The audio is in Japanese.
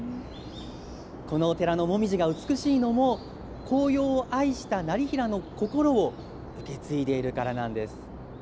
このお寺のモミジが美しいのも、紅葉を愛した業平の心を受け継いでいるからなんです。